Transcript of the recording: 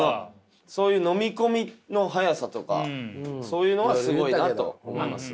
そういう飲み込みの早さとかそういうのはすごいなと思います。